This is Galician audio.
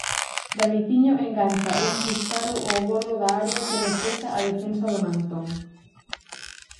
Daviciño engancha un disparo ó bordo da área que rexeita a defensa do Nantón.